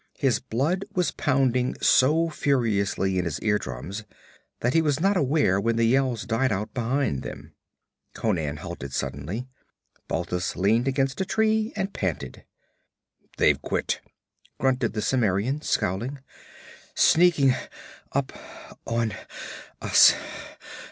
His blood was pounding so furiously in his eardrums that he was not aware when the yells died out behind them. Conan halted suddenly. Balthus leaned against a tree and panted. 'They've quit!' grunted the Cimmerian, scowling. 'Sneaking up on us!'